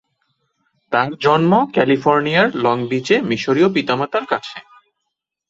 তার জন্ম ক্যালিফোর্নিয়ার লং বিচে মিশরীয় পিতামাতার কাছে।